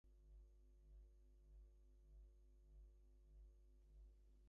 All obstruents are consonants, but sonorants include both vowels and consonants.